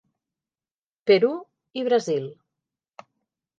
Perú i Brasil.